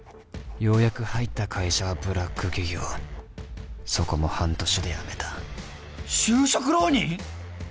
ようやく入った会社はブラック企業そこも半年で辞めた「就職浪人」！？